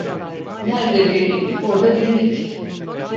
Nerde birlik, orda dirlik.